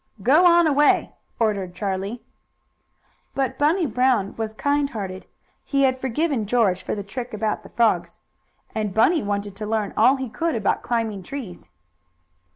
"Go on away!" ordered Charlie. But Bunny Brown was kind hearted. He had forgiven George for the trick about the frogs. And Bunny wanted to learn all he could about climbing trees.